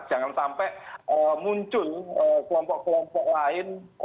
jangan sampai muncul kelompok kelompok lain